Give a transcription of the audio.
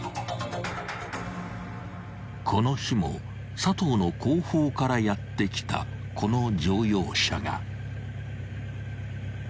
［この日も佐藤の後方からやって来たこの乗用車が］